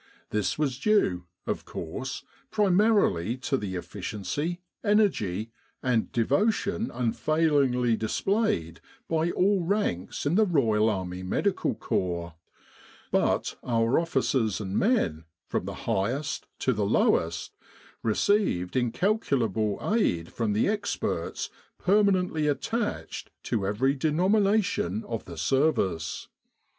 This was due, of course, primarily to the efficiency, energy, and devotion unfailingly dis played by all ranks in the Royal Army Medical Corps ; but our officers and men, from the highest to the lowest, received incalculable aid from the experts permanently attached to every denomination of the Service.